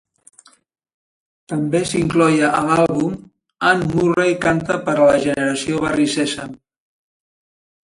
També s'incloïa a l'àlbum "Anne Murray canta per a la generació Barri Sèsam".